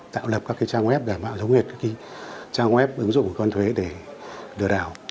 tạo lập các trang web giả mạo giống như trang web ứng dụng của cộng đồng thuế để lừa đảo